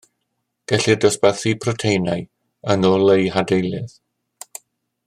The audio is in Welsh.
Gellir dosbarthu proteinau yn ôl eu hadeiledd